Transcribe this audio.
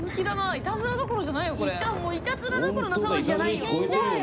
いたずらどころの騒ぎじゃないよ。